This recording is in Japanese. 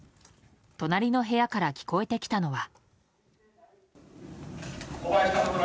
隣の部屋から聞こえてきたのは。